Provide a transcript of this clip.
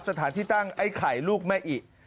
สถานที่ตั้งไอ้ไข่ลูกแม่อิ